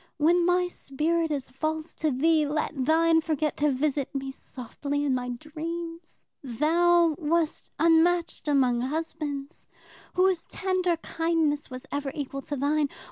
When my spirit is false to thee, let thine forget to visit me softly in my dreams. Thou wast unmatched among husbands. Whose tender kindness was ever equal to thine?